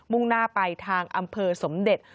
่งหน้าไปทางอำเภอสมเด็จ